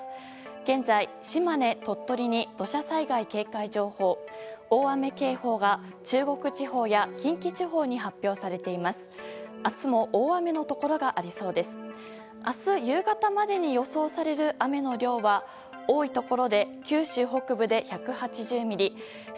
現在、島根、鳥取に土砂災害警戒情報大雨警報が中国地方や近畿地方に発表されています。